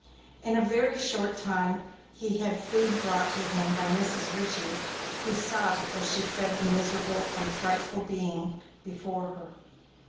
In a very short time he had food brought to him by Mrs. Richey, who sobbed as she fed the miserable and frightful being before her.